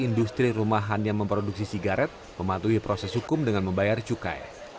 industri rumahan yang memproduksi sigaret mematuhi proses hukum dengan membayar cukai